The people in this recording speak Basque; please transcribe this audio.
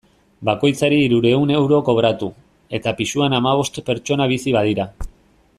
Bakoitzari hirurehun euro kobratu, eta pisuan hamabost pertsona bizi badira.